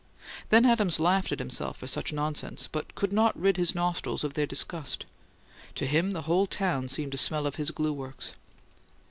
Then Adams laughed at himself for such nonsense; but could not rid his nostrils of their disgust. To him the whole town seemed to smell of his glue works.